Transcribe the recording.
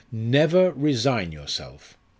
"Never resign yourself!